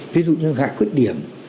ví dụ như gãi quyết điểm